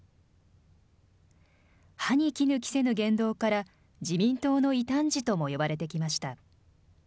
歯にきぬ着せぬ言動から、自民党の異端児ともいわれてきました。